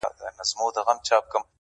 درد وچاته نه ورکوي